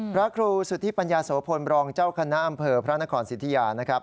พระครูสุธิปัญญาโสพลบรองเจ้าคณะอำเภอพระนครสิทธิยานะครับ